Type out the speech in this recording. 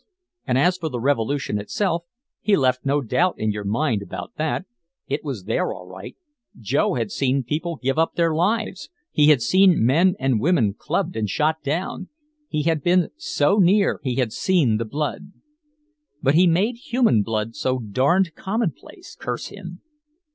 And as for the revolution itself, he left no doubt in your mind about that. It was there all right, Joe had seen people give up their lives, he had seen men and women clubbed and shot down, he had been so near he had seen the blood. (But he made human blood so darned commonplace, curse him!)